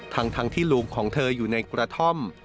ทั้งที่ลุงของเธออยู่ในกระท่อม